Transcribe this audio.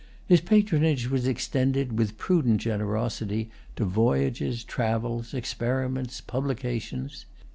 His patronage was extended, with prudent generosity, to voyages, travels, experiments, publications.